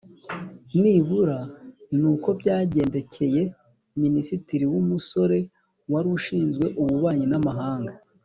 nibura ni uko byagendekeye minisitiri w'umusore wari ushinzwe ububanyi n'amahanga,